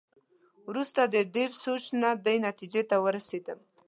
وروسته د ډېر سوچ نه دې نتېجې ته ورسېدم.